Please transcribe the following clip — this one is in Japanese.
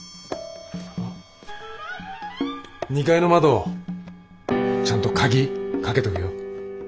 ２階の窓ちゃんと鍵かけとけよ。